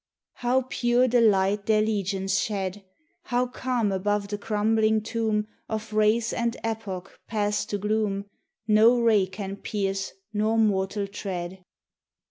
How pure the light their legions shed! How calm above the crumbling tomb Of race and epoch passed to gloom No ray can pierce nor mortal tread!